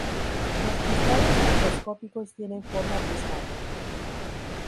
Los cristales macroscópicos tienen forma prismática.